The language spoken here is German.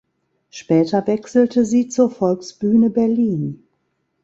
Später wechselte sie zur Volksbühne Berlin.